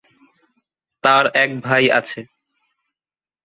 তার এক ভাই আছে।